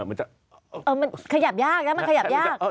มันขยับยากนะมันขยับยาก